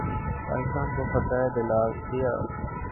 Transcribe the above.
پاکستان کو فتح دلوا دیتا